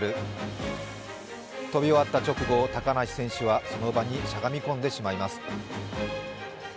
飛び終わった直後、高梨選手はその場にしゃがみ込んでしまいます。